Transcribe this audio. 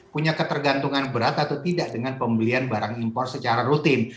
punya ketergantungan berat atau tidak dengan pembelian barang impor secara rutin